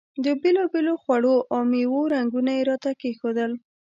د بېلابېلو خوړو او میوو رنګونه یې راته کېښودل.